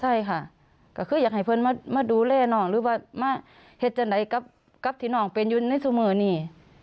ใช่ค่ะก็คืออยากให้เพื่อนมาดูแลน้องหรือว่ามาเหตุจะใดกับที่น้องเป็นอยู่ในเสมอนี่